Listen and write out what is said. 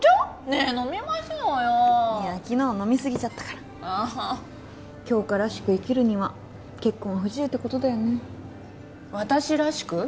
ねえ飲みましょうよいや昨日飲みすぎちゃったからえ杏花らしく生きるには結婚は不自由ってことだよね私らしく？